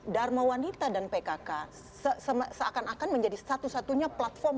dharma wanita dan pkk seakan akan menjadi satu satunya platform